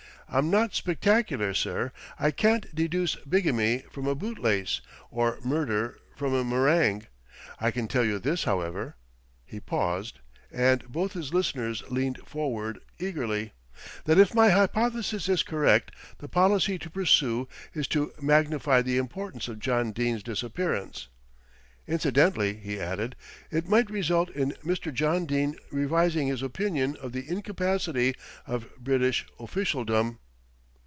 "I'm not spectacular, sir. I can't deduce bigamy from a bootlace, or murder from a meringue. I can tell you this, however" he paused and both his listeners leaned forward eagerly "that if my hypothesis is correct, the policy to pursue is to magnify the importance of John Dene's disappearance. Incidentally," he added, "it might result in Mr. John Dene revising his opinion of the incapacity of British officialdom."